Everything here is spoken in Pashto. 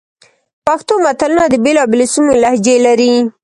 پښتو متلونه د بېلابېلو سیمو لهجې لري